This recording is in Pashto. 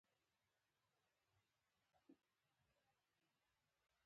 په تېرو کلونو کې ازادي راډیو د هنر په اړه راپورونه خپاره کړي دي.